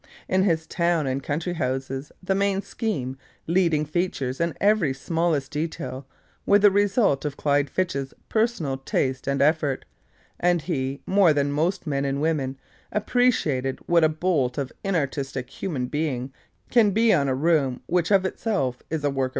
In his town and country houses the main scheme, leading features and every smallest detail were the result of Clyde Fitch's personal taste and effort, and he, more than most men and women, appreciated what a blot an inartistic human being can be on a room which of itself is a work of art.